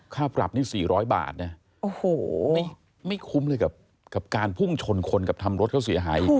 ค่าปรับนี่๔๐๐บาทนะโอ้โหไม่คุ้มเลยกับการพุ่งชนคนกับทำรถเขาเสียหายอีก